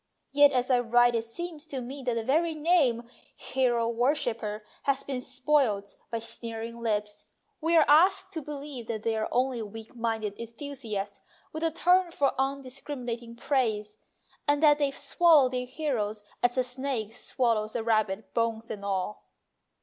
Yet as I write it seems to me that the very name "hero wor shipper " has been spoilt by sneering lips ; we are asked to believe that they are only weak minded enthusiasts with a turn for un discriminating praise, and that they swallow their heroes, as a snake swallows a rabbit, bones and all.